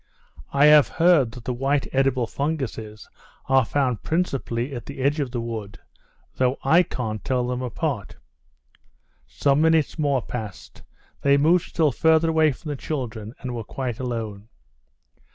"I have heard that the white edible funguses are found principally at the edge of the wood, though I can't tell them apart." Some minutes more passed, they moved still further away from the children, and were quite alone.